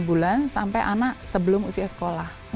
tiga bulan sampai anak sebelum usia sekolah